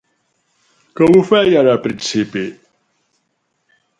Com ho feien al principi?